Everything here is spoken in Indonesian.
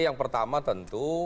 yang pertama tentu